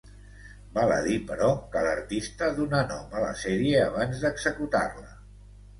Val a dir, però, que l'artista donà nom a la sèrie abans d'executar-la.